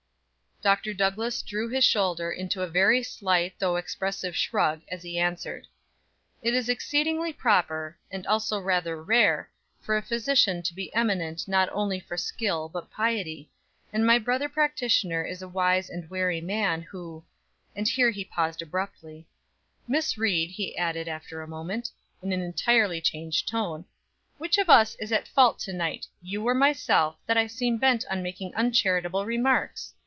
Dr. Douglass drew his shoulder into a very slight though expressive shrug, as he answered. "It is exceedingly proper, and also rather rare, for a physician to be eminent not only for skill but piety, and my brother practitioner is a wise and wary man, who " and here he paused abruptly "Miss Ried," he added after a moment, in an entirely changed tone: "Which of us is at fault to night, you or myself, that I seem bent on making uncharitable remarks?